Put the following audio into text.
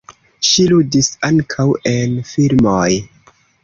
Ŝi ludis ankaŭ en filmoj.